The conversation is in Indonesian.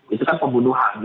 itu kan pembunuhan